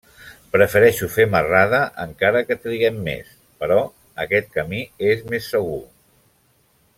Prefereixo fer marrada encara que triguem més; però aquest camí és més segur.